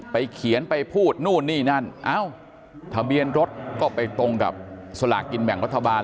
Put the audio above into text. เขียนไปพูดนู่นนี่นั่นเอ้าทะเบียนรถก็ไปตรงกับสลากกินแบ่งรัฐบาล